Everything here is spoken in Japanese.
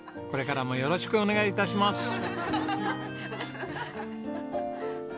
これからもよろしくお願い致します。